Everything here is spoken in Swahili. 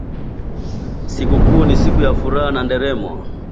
Sikukuu ni siku ya furaha na nderemo